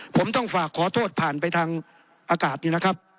ผมต้องฝากขอโทษผ่านไปทางอากาศนี่นะครับ